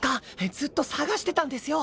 ずっと捜してたんですよ。